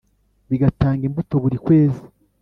bigatanga imbuto buri kwezi